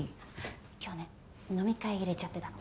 今日ね飲み会入れちゃってたの。